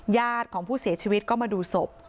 ญาติของผู้เสียชีวิตก็มาดูศพ